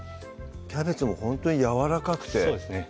キャベツもほんとにやわらかくてそうですね